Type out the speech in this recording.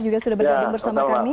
juga sudah bergabung bersama kami